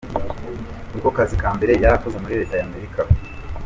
Ni ko kazi ka mbere yari akoze muri leta y'Amerika.